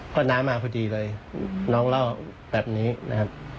เพราะน้ามาพอดีเลยน้องเล่าแบบนี้นะครับ